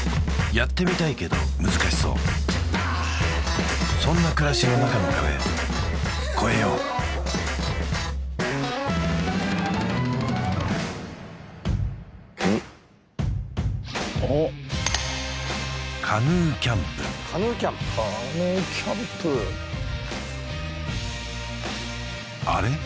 やってみたいけど難しそうそんな暮らしの中の壁こえようカヌーキャンプカヌーキャンプあれ？